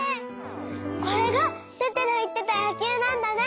これがテテのいってた「やきゅう」なんだね！